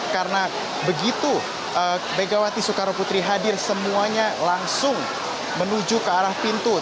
karena begitu begawati soekaroputi hadir semuanya langsung menuju ke arah pintu